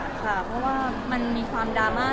ค่ะเพราะว่ามันมีความดราม่า